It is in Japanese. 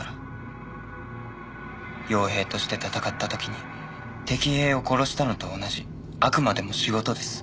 傭兵として戦った時に敵兵を殺したのと同じあくまでも仕事です。